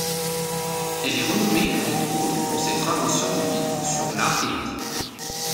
Elle est renommée entre autres pour ses travaux scientifiques sur l'arc électrique.